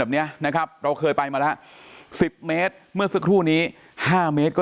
แบบนี้นะครับเราเคยไปมาแล้ว๑๐เมตรเมื่อสักครู่นี้๕เมตรก็